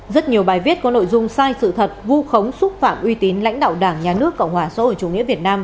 rất nhiều bài viết có nội dung sai sự thật vu khống xúc phạm uy tín lãnh đạo đảng nhà nước cộng hòa xã hội chủ nghĩa việt nam